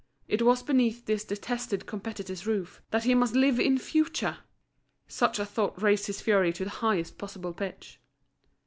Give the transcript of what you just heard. It was beneath this detested competitor's roof, that he must live in future! Such a thought raised his fury to the highest possible pitch.